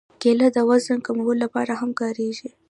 کېله د وزن کمولو لپاره هم کارېږي.